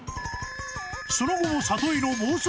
［その後も里井の妄想